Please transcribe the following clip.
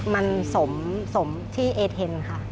มันสมที่เอเทนค่ะ